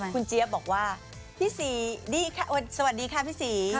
คุณเจี๊ยบบอกว่าพี่สีสวัสดีครับพี่สี